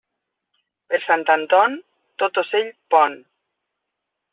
Per Sant Anton, tot ocell pon.